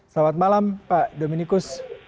selamat malam pak dominikus